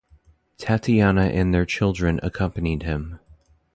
Tatyana and their children accompanied him.